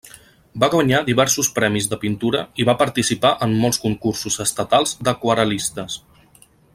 Va guanyar diversos premis de pintura i va participar en molts concursos estatals d'aquarel·listes.